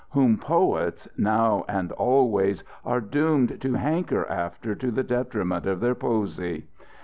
whom poets, now and always, are doomed to hanker after to the detriment of their poesy.